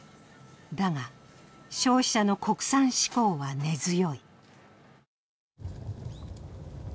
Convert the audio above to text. だが、消費者の国産志向は根強い。